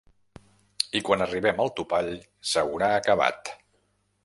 I quan arribem al topall s’haurà acabat.